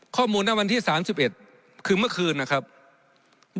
ข้อมูลนั้นวันที่สามสิบเอ็ดคือเมื่อคืนนะครับ